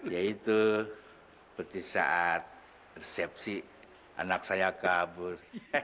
yaitu seperti saat resepsi anak saya kabur